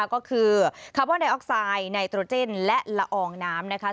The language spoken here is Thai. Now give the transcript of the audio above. ก็คือคาร์บอนไอออกไซด์ไนโตรเจนและละอองน้ำนะคะ